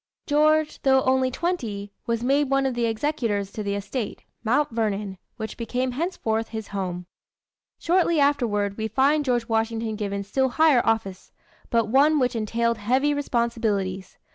George, though only twenty, was made one of the executors to the estate, Mount Vernon, which became henceforth his home. Shortly afterward, we find George Washington given still higher office, but one which entailed heavy responsibilities.